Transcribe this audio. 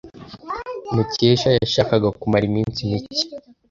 Mukesha yashakaga kumara iminsi mike.